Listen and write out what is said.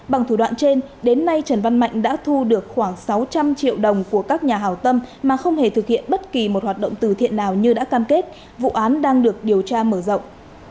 bằng thủ đoạn trên đến nay trần văn mạnh đã thu được khoảng sáu trăm linh triệu đồng của các nhà hào tâm mà không hề thực hiện bất kỳ một hoạt động từ thiện nào như đã cam kết vụ án đang được điều tra mở rộng